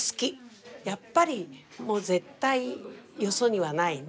やっぱり絶対よそにはないね。